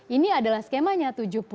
ini adalah skemanya